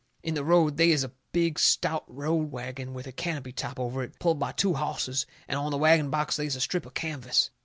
In the road they is a big stout road wagon, with a canopy top over it, pulled by two hosses, and on the wagon box they is a strip of canvas.